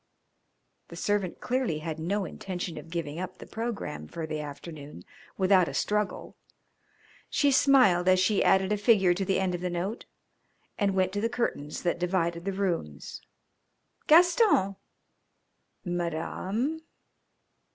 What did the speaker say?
The servant clearly had no intention of giving up the programme for the afternoon without a struggle. She smiled as she added a figure to the end of the note, and went to the curtains that divided the rooms. "Gaston!" "Madame!"